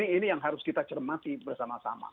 ini yang harus kita cermati bersama sama